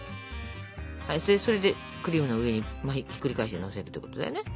それでクリームの上にひっくり返してのせるってことだよね。